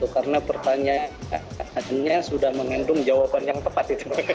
karena pertanyaannya sudah mengandung jawaban yang tepat